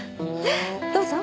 どうぞ。